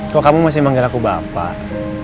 kok kamu masih manggil aku bapak